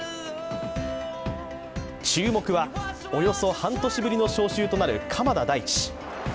注目は、およそ半年ぶりの招集となる鎌田大地。